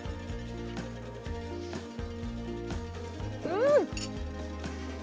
うん！